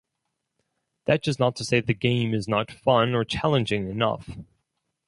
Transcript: That is not to say the game is not fun or challenging enough.